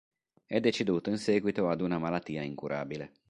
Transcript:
È deceduto in seguito ad una malattia incurabile.